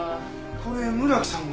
これ村木さんが？